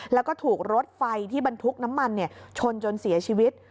แล้วก็ถูกรถไฟที่บรรทุกน้ำมันชนจนเสียชีวิต